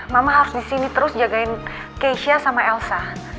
mama harus disini terus jagain keisha sama elsa